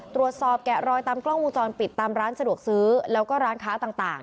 แกะรอยตามกล้องวงจรปิดตามร้านสะดวกซื้อแล้วก็ร้านค้าต่าง